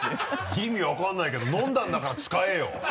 意味分かんないけど飲んだんだから使えよ。